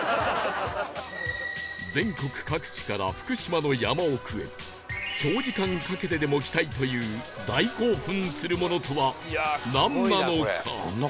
全国各地から福島の山奥へ長時間かけてでも来たいという大興奮するものとはなんなのか？